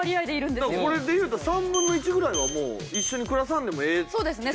これで言うたら３分の１ぐらいはもう一緒に暮らさんでもええって感じだよね。